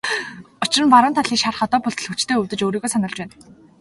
Учир нь баруун талын шарх одоо болтол хүчтэй өвдөж өөрийгөө сануулж байна.